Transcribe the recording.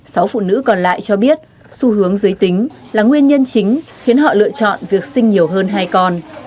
sáu phụ nữ còn lại cho biết xu hướng giới tính là nguyên nhân chính khiến họ lựa chọn việc sinh nhiều hơn hai con